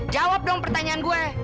jawab dong pertanyaan gue